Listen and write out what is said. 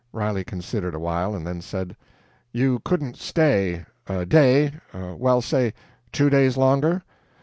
Riley considered a while, and then said: "You couldn't stay ... a day ... well, say two days longer?"